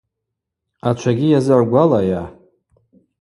Ачвагьи йазыгӏгвалайа?